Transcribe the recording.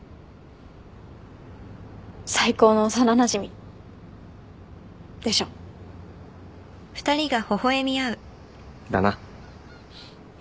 最高の幼なじみでしょ？だな。